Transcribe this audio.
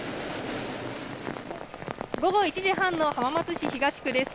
午後１時半の浜松市東区です。